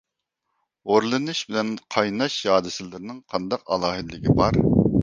ھورلىنىش بىلىن قايناش ھادىسىلىرىنىڭ قانداق ئالاھىدىلىكى بار؟